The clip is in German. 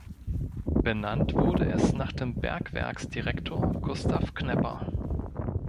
Benannt wurde es nach dem Bergwerksdirektor Gustav Knepper.